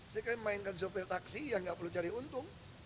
saya mainkan sopir taksi yang nggak perlu cari untung